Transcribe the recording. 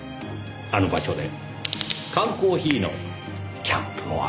あの場所で缶コーヒーのキャップを開けた事です。